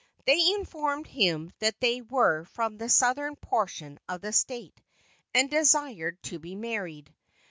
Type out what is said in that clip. They informed him that they were from the southern portion of the State, and desired to be married.